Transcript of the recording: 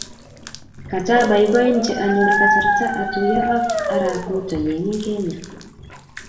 Katabaibaenjini anyor kasarta atuyo ak arap Ruto ye mi Kenya.